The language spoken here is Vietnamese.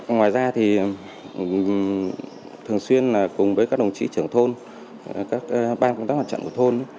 ngoài ra thì thường xuyên cùng với các đồng chí trưởng thôn các ban công tác mặt trận của thôn